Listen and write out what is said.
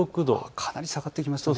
かなり下がってきましたね。